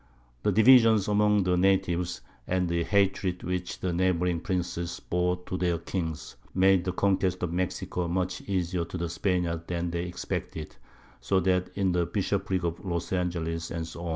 The Divisions among the Natives, and the Hatred which the Neighbouring Princes bore to their Kings, made the Conquest of Mexico much easier to the Spaniards than they expected; so that in the Bishoprick of Los Angeles, &c.